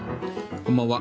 こんばんは。